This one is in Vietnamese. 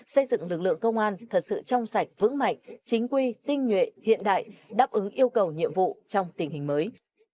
xây dựng lực lượng công an thật sự trong sạch vững mạnh chính quy tinh nhuệ hiện đại đáp ứng yêu cầu nhiệm vụ trong tình hình mới